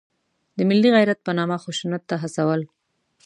د ملي غیرت په نامه خشونت ته هڅول.